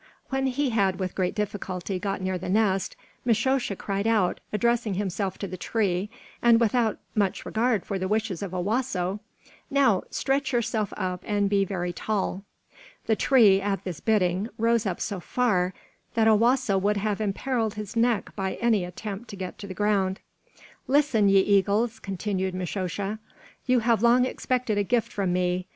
When he had with great difficulty got near the nest, Mishosha cried out, addressing himself to the tree, and without much regard for the wishes of Owasso: "Now stretch yourself up and he very tall." The tree, at this bidding, rose up so far that Owasso would have imperiled his neck by any attempt to get to the ground. "Listen, ye eagles!" continued Mishosha. "You have long expected a gift from me.